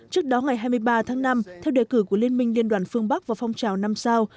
trước đó ngày hai mươi ba tháng năm theo đề cử của liên minh liên đoàn phương bắc và phong trào năm sao